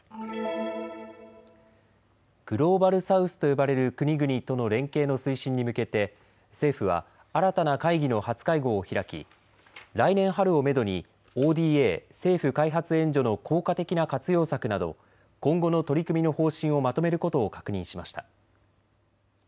グローバル・サウスと呼ばれる国々との連携の推進に向けて政府は新たな会議の初会合を開き来年春をめどにＯＤＡ・政府開発援助の効果的な活用策など今後の取り組みの方針をまとめることを確認しました。